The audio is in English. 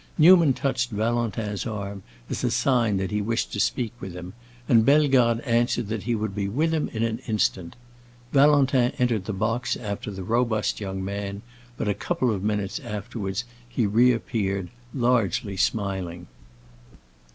Newman touched Valentin's arm as a sign that he wished to speak with him, and Bellegarde answered that he would be with him in an instant. Valentin entered the box after the robust young man, but a couple of minutes afterwards he reappeared, largely smiling.